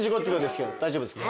大丈夫ですか？